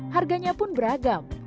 harganya pun beragam